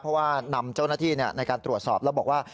เพราะว่านำเจ้าหน้าที่ในการตรวจสอบแล้วบอกว่า